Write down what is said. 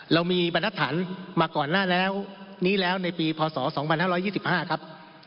เรามีบรรทัศนมาก่อนนี้แล้วในปีพศ๒๕๒๕ครับ